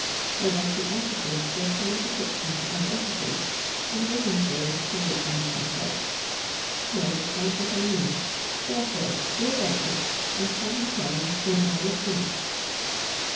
There must be officers to attend the kitchens and offices, and women slaves to wait on the princess. You understand what I mean; therefore go about it, and come and tell me when all is finished."